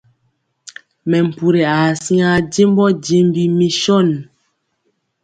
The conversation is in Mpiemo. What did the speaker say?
Mɛmpuri aa siŋa jembɔ jembi misɔn.